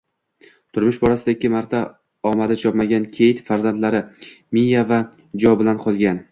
Turmush borasida ikki marta omadi chopmagan Keyt farzandlari — Miya va Jo bilan qolgan